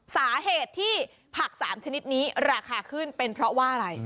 สาเหตุที่ผัก๓ชนิดนี้ราคาขึ้นเป็นเพราะว่าอะไร